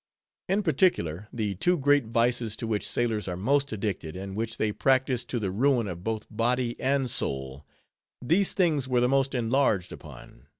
In particular, the two great vices to which sailors are most addicted, and which they practice to the ruin of both body and soul; these things, were the most enlarged upon.